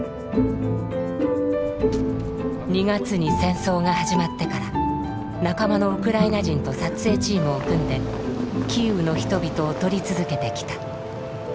２月に戦争が始まってから仲間のウクライナ人と撮影チームを組んでキーウの人々を撮り続けてきた。